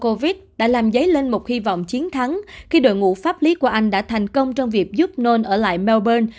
covid đã làm dấy lên một hy vọng chiến thắng khi đội ngũ pháp lý của anh đã thành công trong việc giúp nôn ở lại melbourne